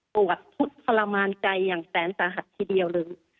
โปรดพุทธประมาณใจอย่างแสนสาหัสทีเดียวเลย